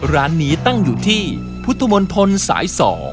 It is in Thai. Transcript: ร้านนี้ตั้งอยู่ที่พุทธมนตรสาย๒